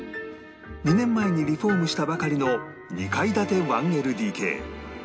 ２年前にリフォームしたばかりの２階建て １ＬＤＫ